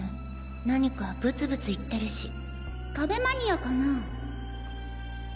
何かブツブツ言ってるし壁マニアかな？